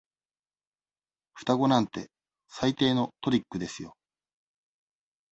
双子なんて最低のトリックですよ。